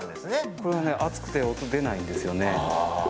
これはね厚くて音、出ないんですよね。